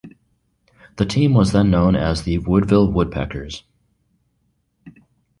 The team was then known as the "Woodville Woodpeckers".